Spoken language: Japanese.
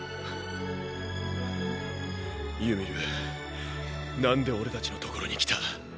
ユミル何で俺たちの所に来た？